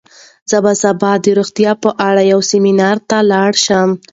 زه به سبا د روغتیا په اړه یو سیمینار ته لاړ شم.